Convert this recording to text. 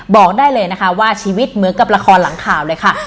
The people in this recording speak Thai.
บอกได้เลยนะคะว่าชีวิตเหมือนกับละครหลังข่าวเลยค่ะ